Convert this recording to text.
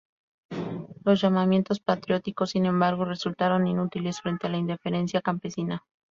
Los llamamientos patrióticos, sin embargo, resultaron inútiles frente a la indiferencia campesina.